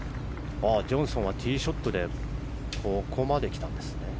ジョンソンはティーショットでここまできたんですね。